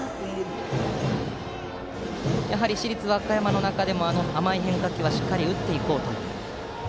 やはり市立和歌山の中でも甘い変化球はしっかり打っていこうという？